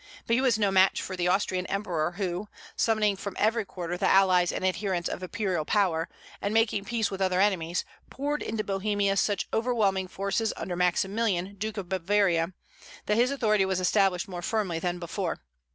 But he was no match for the Austrian emperor, who, summoning from every quarter the allies and adherents of imperial power, and making peace with other enemies, poured into Bohemia such overwhelming forces under Maximilian, Duke of Bavaria, that his authority was established more firmly than before.